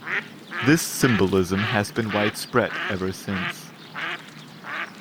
This symbolism has been widespread ever since.